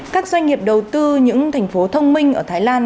các doanh nghiệp đầu tư những thành phố thông minh ở thái lan